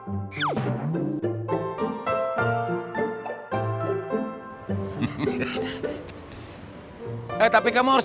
kita harus nongaborasin pokok siti muara ini